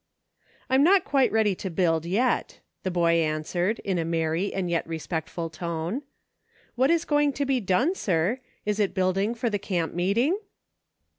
" I'm not quite ready to build yet," the boy answered, in a merry, and yet respectful tone. "What is going to be done, sir.' Is it building for the camp meeting